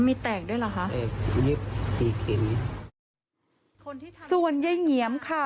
อ๋อมีแตกด้วยเหรอคะแตกลิบที่เข็มคนที่ส่วนเย่งเหงียมค่ะ